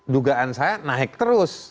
dugaan saya naik terus